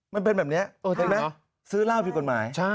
มันเป็นแบบนี้เห็นไหมซื้อเหล้าผิดกฎหมาย